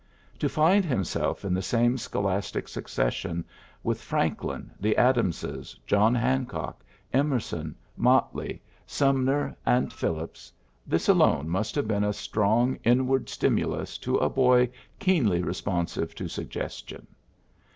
To find himself in the same scholastic succession with Franklin, the Adamses, John Hancock, Emerson, Motley, Sum PHILLIPS BROOKS 11 ner, and Phillii)s, this alone mast have been a strong inward stimulus to a boy keenly responsive to suggestion.